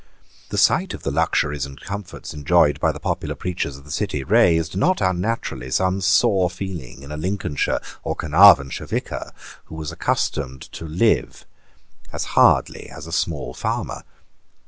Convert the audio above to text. The sight of the luxuries and comforts enjoyed by the popular preachers of the city raised, not unnaturally, some sore feeling in a Lincolnshire or Caernarvonshire vicar who was accustomed to live as hardly as small farmer.